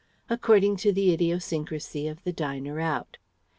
according to the idiosyncrasy of the diner out.